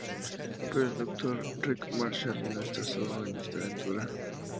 Pero el Dr. Rick Marshall no está solo en esta aventura.